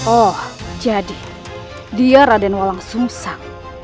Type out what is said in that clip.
oh jadi dia raden walangsungsan